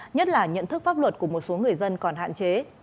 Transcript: nhất là nhận thức pháp luật của một số người dân còn hạn chế